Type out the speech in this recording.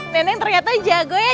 nenek ternyata jago ya